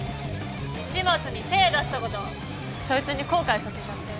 市松に手ぇ出したことそいつに後悔させちゃって。